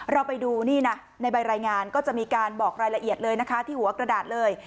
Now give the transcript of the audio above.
เราไปดูนี่นะในใบรายงานก็จะมีการบอกรายละเอียดเลยนะคะที่หัวกระดาษเลย